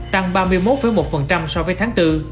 tăng ba mươi một một so với tháng bốn